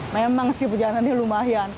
memang sih perjalanannya lumayan